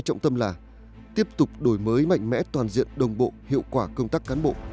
trọng tâm là tiếp tục đổi mới mạnh mẽ toàn diện đồng bộ hiệu quả công tác cán bộ